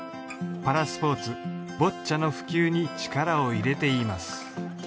パラスポーツボッチャの普及に力を入れています